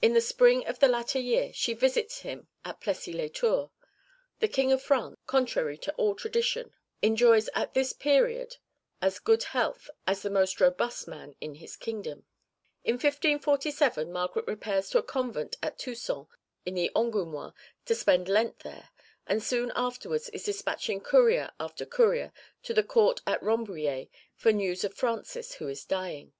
In the spring of the latter year she visits him at Plessis lès Tours. The King of France contrary to all tradition enjoys at this period as good health as the most robust man in his kingdom.(1) In 1547 Margaret repairs to a convent at Tusson in the Angoumois to spend Lent there, and soon afterwards is despatching courier after courier to the Court at Rambouillet for news of Francis, who is dying.